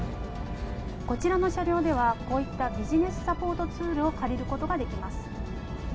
こちらの車両では、こういったビジネスサポートツールを借りることができます。